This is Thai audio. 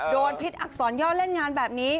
พิษอักษรย่อเล่นงานแบบนี้